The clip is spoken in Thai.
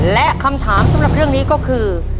และคำถามสำหรับเรื่องนี้ก็คือ